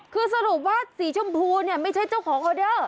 คือสรุปว่าสีชมพูเนี่ยไม่ใช่เจ้าของออเดอร์